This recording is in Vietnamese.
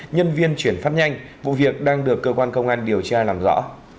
nhân viên chuyển phát nhanh vụ việc đang được cơ quan công an điều tra làm rõ